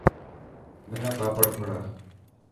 منا پاپڙ کوڙا.